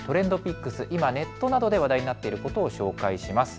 今ネットなどで話題になっていることを紹介します。